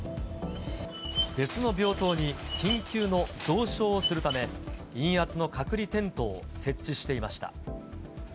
別の病棟に緊急の増床をするため、陰圧の隔離テントを設置していました。